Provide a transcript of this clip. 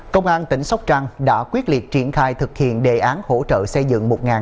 công an tỉnh sóc trăng đã quyết liệt triển khai thực hiện đề án hỗ trợ xây dựng